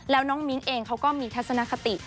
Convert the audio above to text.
แล้วน้องมิ้นท์เองเขาก็มีทัศนคติ